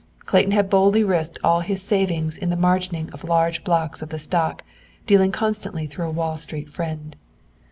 Clayton had boldly risked all his savings in the margining of large blocks of the stock, dealing constantly through a Wall Street friend.